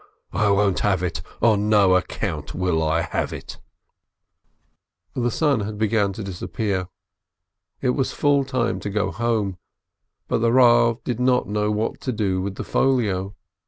I won't have it ! On no account will I have it !" The sun had begun to disappear; it was full time to go home; but the Eav did not know what to do with the folio.